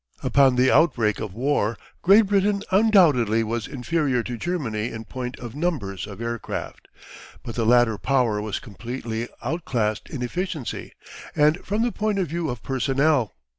Upon the outbreak of war Great Britain undoubtedly was inferior to Germany in point of numbers of aircraft, but the latter Power was completely outclassed in efficiency, and from the point of view of PERSONNEL.